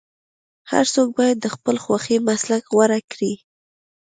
هر څوک باید د خپلې خوښې مسلک غوره کړي.